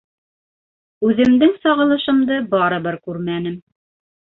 Үҙемдең сағылышымды барыбер күрмәнем.